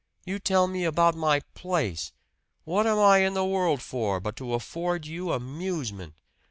You tell me about my 'place!' What am I in the world for, but to afford you amusement?